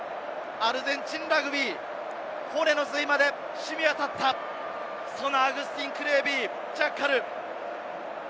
アルゼンチンラグビー、骨の髄まで染み渡った、そのアグスティン・クレービー、ジャッカル！